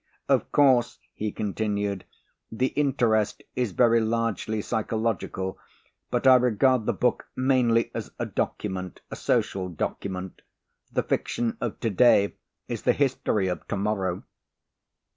"Of course," he continued, "the interest is very largely psychological, but I regard the book mainly as a document a social document. The fiction of to day is the history of to morrow."